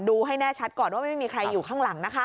ให้แน่ชัดก่อนว่าไม่มีใครอยู่ข้างหลังนะคะ